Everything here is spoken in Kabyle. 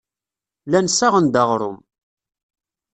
Llan ssaɣen-d aɣrum.